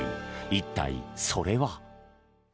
一体それは。